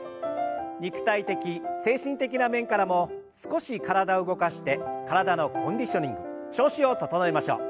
肉体的精神的な面からも少し体を動かして体のコンディショニング調子を整えましょう。